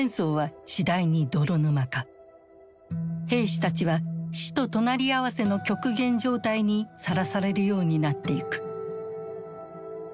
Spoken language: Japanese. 兵士たちは死と隣り合わせの極限状態にさらされるようになっていく。